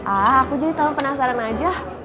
aku jadi penasaran aja